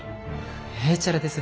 へいちゃらです。